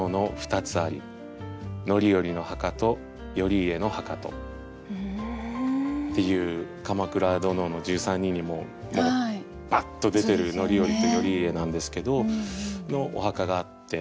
でその時に泊まった宿にっていう「鎌倉殿の１３人」にももうバッと出てる範頼と頼家なんですけどのお墓があって。